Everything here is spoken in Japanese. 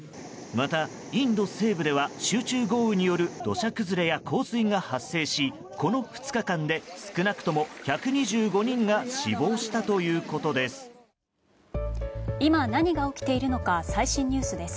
また、インド西部では集中豪雨による土砂崩れや洪水が発生しこの２日間で少なくとも１２５人が死亡したということです。